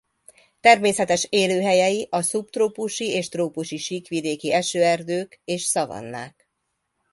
Természetes élőhelyei a szubtrópusi és trópusi síkvidéki esőerdők és szavannák.